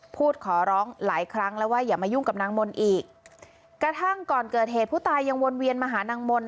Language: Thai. พูดขอร้องหลายครั้งแล้วว่าอย่ามายุ่งกับนางมนต์อีกกระทั่งก่อนเกิดเหตุผู้ตายยังวนเวียนมาหานางมนต์